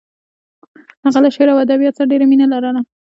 هغه له شعر او ادبیاتو سره ډېره مینه لرله